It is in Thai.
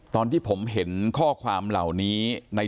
ตอนที่ผมเห็นข้อความเหล่านี้ใน